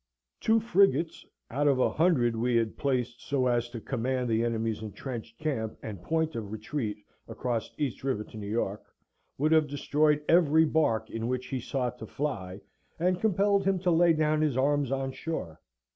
Two frigates, out of a hundred we had placed so as to command the enemy's entrenched camp and point of retreat across East River to New York, would have destroyed every bark in which he sought to fly, and compelled him to lay down his arms on shore.